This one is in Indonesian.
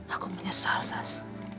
aku menyesal sash